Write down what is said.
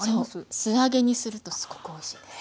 素揚げにするとすごくおいしいです。